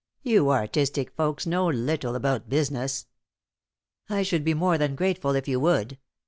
You artistic folks know little about business." "I should be more than grateful if you would.